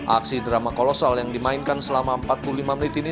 aksi drama kolosal yang dimainkan selama empat puluh lima menit ini